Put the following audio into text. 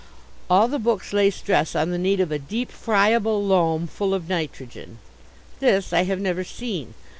All the books lay stress on the need of "a deep, friable loam full of nitrogen." This I have never seen.